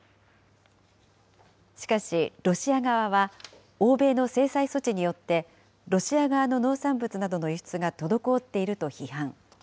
しかし、ロシア側は欧米の制裁措置によって、ロシア側の農産物などの輸出が滞っていると批判。